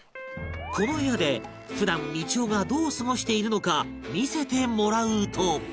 この部屋で普段みちおがどう過ごしているのか見せてもらうと